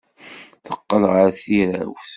Teqqel ɣer tirawt.